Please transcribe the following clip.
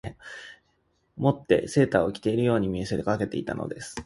以てセーターを着ているように見せかけていたのです